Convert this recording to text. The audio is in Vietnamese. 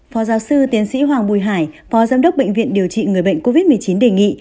phó giáo sư tiến sĩ hoàng bùi hải phó giám đốc bệnh viện điều trị người bệnh covid một mươi chín đề nghị